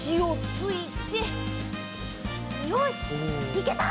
いけた！